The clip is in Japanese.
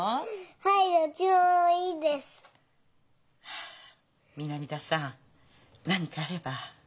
はあ南田さん何かあれば。